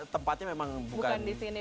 tempatnya memang bukan